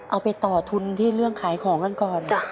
เอาไปต่อทุนที่เรื่องขายของกันก่อน